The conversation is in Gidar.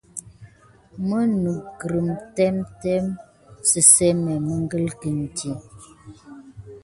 Nat migurin témé sisene məglekini.